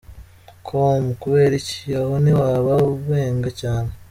com : Kubera iki ? Aho ntiwaba ubenga cyane ?.